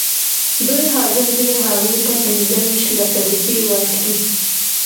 دوی حاضر دي هغه ته پنځه ویشت لکه روپۍ ورکړي.